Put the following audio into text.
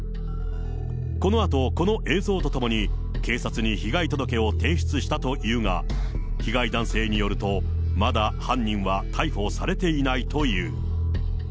このあと、この映像とともに、警察に被害届を提出したというが、被害男性によると、まだ犯人は逮捕されていないという。